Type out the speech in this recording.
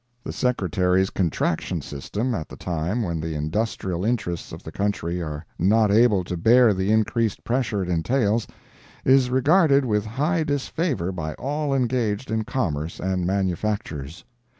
The Secretary's "contraction" system, at the time when the industrial interests of the country are not able to bear the increased pressure it entails, is regarded with high disfavor by all engaged in commerce and manufactures.